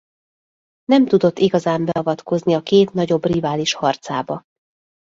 Nem tudott igazán beavatkozni a két nagyobb rivális harcába.